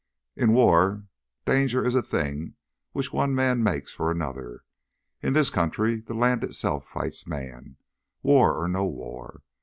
"In war danger is a thing which one man makes for another. In this country the land itself fights man—war or no war.